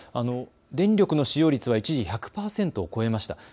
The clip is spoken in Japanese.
電力の使用率は一時１００％を超えました。